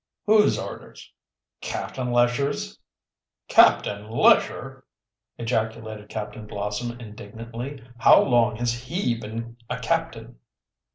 "Whose orders?" "Captain Lesher's." "Captain Lesher!" ejaculated Captain Blossom indignantly. "How long has he been a captain?"